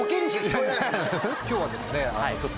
今日はですね。